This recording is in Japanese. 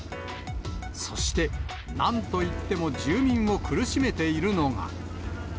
そして、なんといっても住民を苦しめているのが。